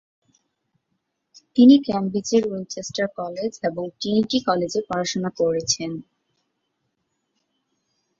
তিনি কেমব্রিজের Winchester college এবং ট্রিনিটি কলেজে পড়াশোনা করেছেন।